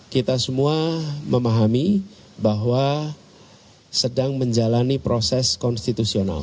kita semua memahami bahwa sedang menjalani proses konstitusional